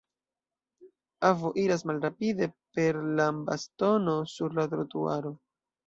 Avo iras malrapide per lambastono sur la trotuaro.